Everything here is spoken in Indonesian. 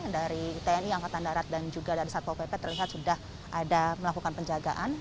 dari tni angkatan darat dan juga dari satpol pp terlihat sudah ada melakukan penjagaan